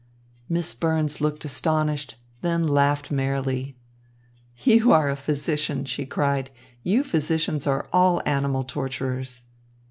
Miss Burns looked astonished, then laughed merrily. "You are a physician," she cried. "You physicians are all animal torturers."